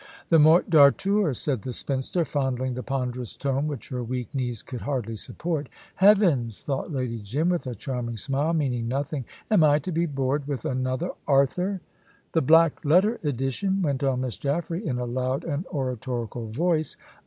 "The Morte d'Arthur," said the spinster, fondling the ponderous tome which her weak knees could hardly support. "Heavens!" thought Lady Jim, with a charming smile, meaning nothing, "am I to be bored with another Arthur?" "The black letter edition," went on Miss Jaffray, in a loud and oratorical voice.